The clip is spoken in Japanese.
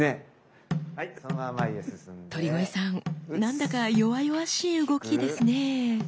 鳥越さんなんだか弱々しい動きですね。